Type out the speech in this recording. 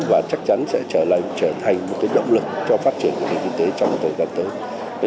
và chắc chắn sẽ trở thành một động lực cho phát triển của nền kinh tế trong thời gian tới